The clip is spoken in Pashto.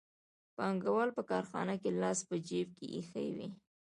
پانګوال په کارخانه کې لاس په جېب کې ایښی وي